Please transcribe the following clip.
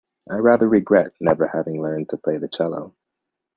I rather regret never having learned to play the cello.